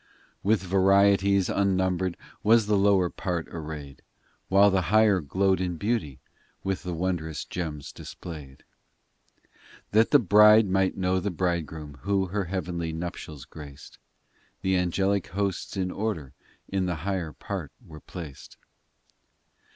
in With varieties unnumbered Was the lower part arrayed, While the higher glowed in beauty, With the wondrous gems displayed. IV That the bride might know the Bridegroom Who her heavenly nuptials graced, The Angelic hosts in order In the higher part were placed.